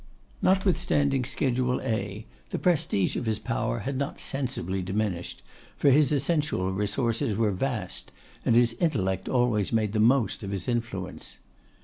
Notwithstanding Schedule A, the prestige of his power had not sensibly diminished, for his essential resources were vast, and his intellect always made the most of his influence.